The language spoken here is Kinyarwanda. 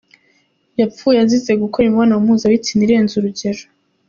Yapfuye azize gukora imibonano mpuzabitsina irenze urugero